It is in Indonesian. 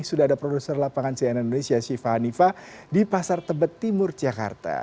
sudah ada produser lapangan cnn indonesia syifa hanifa di pasar tebet timur jakarta